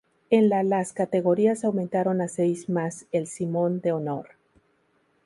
En la las categorías aumentaron a seis más el Simón de honor.